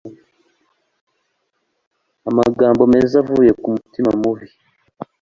Amagambo meza avuye ku mutima mubi